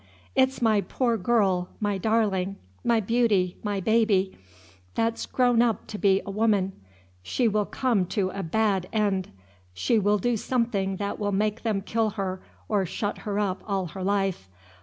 It's my poor girl, my darling, my beauty, my baby, that 's grown up to be a woman; she will come to a bad end; she will do something that will make them kill her or shut her up all her life.